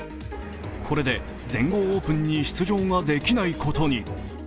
これで全豪オープンに出場ができないことに。